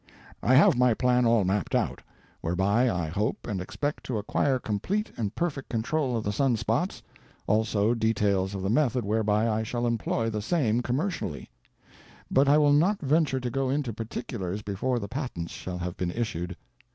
I have my plan all mapped out, whereby I hope and expect to acquire complete and perfect control of the sun spots, also details of the method whereby I shall employ the same commercially; but I will not venture to go into particulars before the patents shall have been issued.